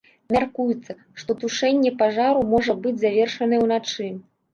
Мяркуецца, што тушэнне пажару можа быць завершанае ўначы.